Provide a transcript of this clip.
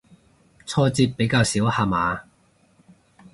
挫折比較少下嘛